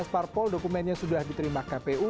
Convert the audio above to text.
lima belas parpol dokumennya sudah diterima kpu